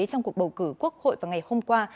trong cuộc bầu cử quốc hội vào ngày hôm qua